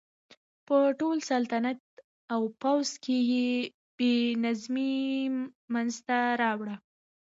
په ټول سلطنت او پوځ کې یې بې نظمي منځته راوړه.